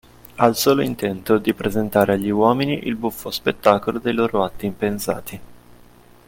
Al solo intento di presentare agli uomini il buffo spettacolo dei loro atti impensati.